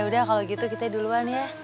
udah kalau gitu kita duluan ya